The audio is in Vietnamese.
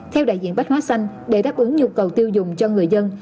theo đại diện bách hóa xanh để đáp ứng nhu cầu tiêu dùng cho người dân